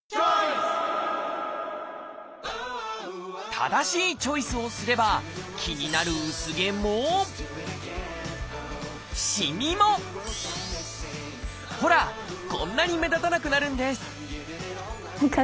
正しいチョイスをすれば気になる薄毛もしみもほらこんなに目立たなくなるんです